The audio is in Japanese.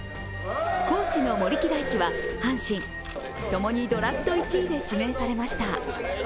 高知の森木大智は阪神、共にドラフト１位で指名されました。